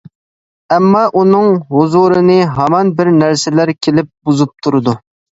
ئەمما ئۇنىڭ ھۇزۇرىنى ھامان بىر نەرسىلەر كېلىپ بۇزۇپ تۇرىدۇ.